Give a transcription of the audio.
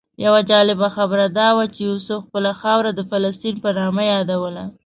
یوه جالبه خبره دا وه چې یوسف خپله خاوره د فلسطین په نامه یادوله.